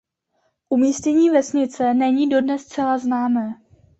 Umístění vesnice není dodnes zcela známé.